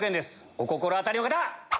お心当たりの方！